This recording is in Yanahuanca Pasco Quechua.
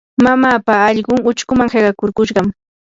mamaapa allqun uchkuman qiqakurkushqam.